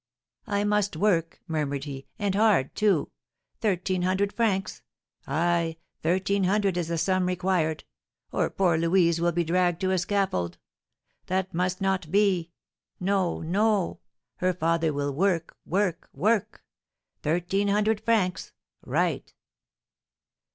"I must work," murmured he, "and hard, too. Thirteen hundred francs! Ay, thirteen hundred is the sum required, or poor Louise will be dragged to a scaffold! That must not be! No, no, her father will work work work! Thirteen hundred francs! Right!"